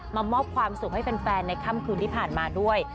มามอบความสุขให้แฟนในค่ำคืนที่ผ่านมาด้วย